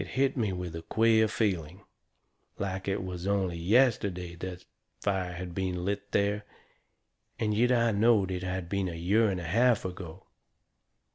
It hit me with a queer feeling like it was only yesterday that fire had been lit there. And yet I knowed it had been a year and a half ago.